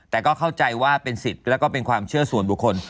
แต่ก็เข้าใจว่าเป็นสิทธิ์แล้วก็เป็นความเชื่อส่วนบุคคล